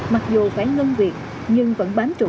mặc dù phải ngân việt nhưng vẫn bán trụ